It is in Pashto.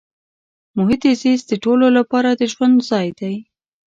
محیط زیست د ټولو لپاره د ژوند ځای دی.